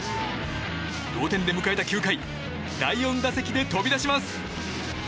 同点で迎えた９回第４打席で飛び出します。